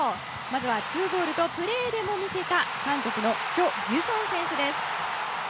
まずは２ゴールとプレーでも魅せた韓国のチョ・ギュソン選手です。